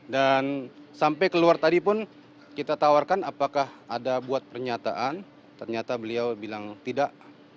dan sampai keluar tadi pun kita tawarkan apakah ada buat pernyataan ternyata beliau bilang tidak